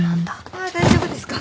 ああ大丈夫ですか？